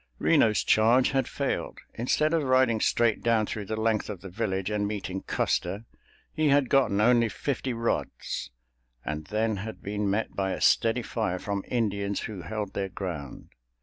Reno's charge had failed—instead of riding straight down through the length of the village and meeting Custer, he had gotten only fifty rods, and then had been met by a steady fire from Indians who held their ground.